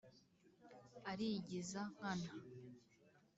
”arigiza nkana“ –